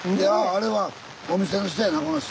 あれはお店の人やなこの人。